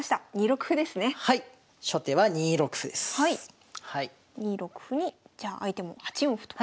２六歩にじゃあ相手も８四歩と。